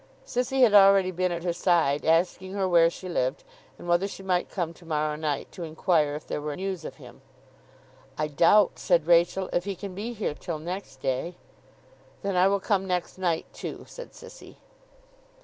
Sissy had already been at her side asking her where she lived, and whether she might come to morrow night, to inquire if there were news of him. 'I doubt,' said Rachael, 'if he can be here till next day.' 'Then I will come next night too,' said Sissy.